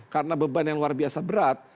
karena beban yang luar biasa berat